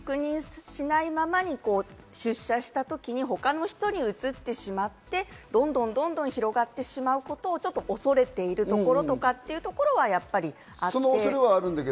その人がきちんと確認しないままに出社した時に他の人にうつってしまって、どんどん広がってしまうことを恐れているところとかっていうのはあって。